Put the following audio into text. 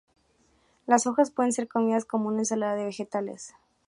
Las hojas pueden ser comidas como una ensalada de vegetales.